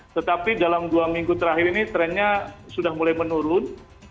tetapi dalam dua minggu terakhir ini trennya sudah mulai menurun